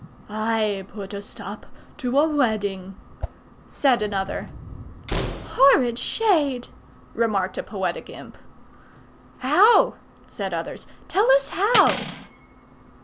"I put a stop to a wedding," said another. "Horrid shade!" remarked a poetic imp. "How?" said others. "Tell us how."